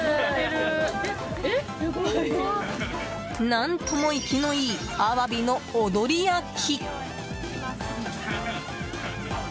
何とも生きのいいアワビの踊り焼き。